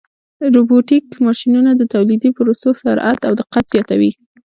روبوټیک ماشینونه د تولیدي پروسو سرعت او دقت زیاتوي.